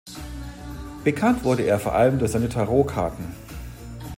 Bekannt wurde er vor allem durch seine Tarotkarten.